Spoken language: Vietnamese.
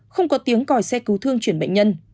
không có tiếng còi xe cứu thương chuyển bệnh nhân